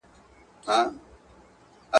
پر منبر دي ډیري توی کړې له مکارو سترګو اوښکي !.